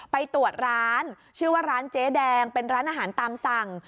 ไปตรวจร้านชื่อว่าร้านเจ๊แดงเป็นร้านอาหารตามสั่ง